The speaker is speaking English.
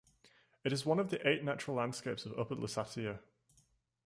It is one of the eight natural landscapes of Upper Lusatia.